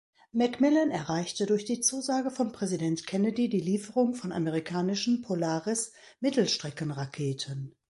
Macmillan erreichte durch die Zusage von Präsident Kennedy die Lieferung von amerikanischen Polaris-Mittelstreckenraketen.